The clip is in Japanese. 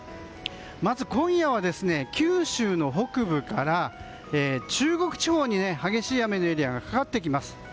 まず今夜は九州の北部から中国地方に激しい雨のエリアがかかってきます。